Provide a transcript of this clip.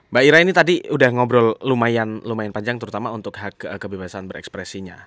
mbak ira ini tadi udah ngobrol lumayan panjang terutama untuk hak kebebasan berekspresinya